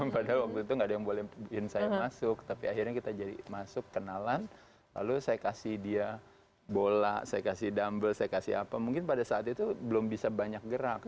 padahal waktu itu gak ada yang boleh bikin saya masuk tapi akhirnya kita jadi masuk kenalan lalu saya kasih dia bola saya kasih dumble saya kasih apa mungkin pada saat itu belum bisa banyak gerak